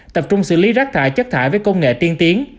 tập trung xử lý rác thải chất thải với công nghệ tiên tiến